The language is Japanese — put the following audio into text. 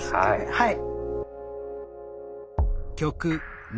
はい。